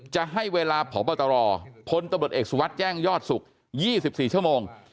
จะให้เวลาพบตรพลตำรวจเอกสุวัสดิ์แจ้งยอดสุข๒๔ชั่วโมง